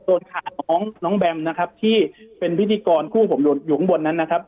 ขาดน้องน้องแบมนะครับที่เป็นพิธีกรคู่ผมอยู่ข้างบนนั้นนะครับ